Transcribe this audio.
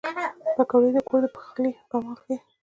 پکورې د کور د پخلي کمال ښيي